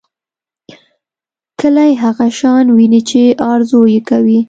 کلی هغه شان ويني چې ارزو یې کوي.